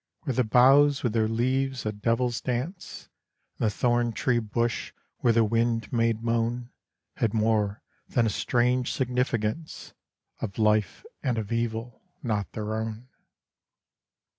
Where the boughs, with their leaves a devil's dance, And the thorn tree bush, where the wind made moan, Had more than a strange significance Of life and of evil not their own.